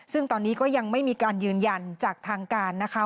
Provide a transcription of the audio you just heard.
ซึ่งตอนนี้ก็ยังไม่มีการยืนยันจากทางการนะคะ